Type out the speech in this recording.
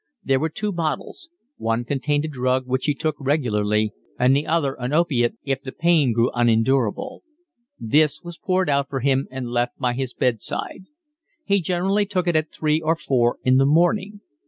There were two bottles: one contained a drug which he took regularly, and the other an opiate if the pain grew unendurable. This was poured out for him and left by his bed side. He generally took it at three or four in the morning.